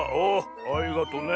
ありがとね。